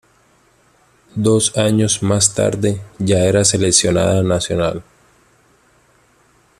Dos años más tarde ya era seleccionada nacional.